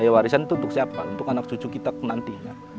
warisan itu untuk siapa untuk anak cucu kita nanti